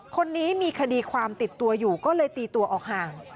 คนนี้มีคดีความติดตัวอยู่ก็เลยตีตัวออกห่าง